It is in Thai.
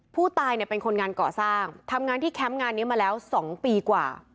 ผู้ตายเนี่ยเป็นคนงานก่อสร้างทำงานที่แคมป์งานนี้มาแล้ว๒ปีกว่า